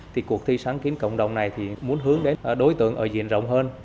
thì cuộc thi sáng kiến cộng đồng này thì muốn hướng đến đối tượng ở diện rộng hơn